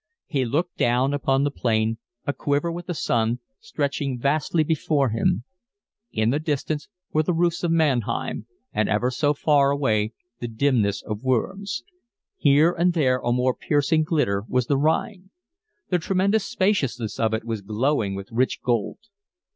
He looked down upon the plain, a quiver with the sun, stretching vastly before him: in the distance were the roofs of Mannheim and ever so far away the dimness of Worms. Here and there a more piercing glitter was the Rhine. The tremendous spaciousness of it was glowing with rich gold.